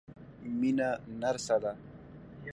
مينه نرسه ده.